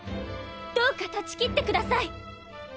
どうか断ち切ってください！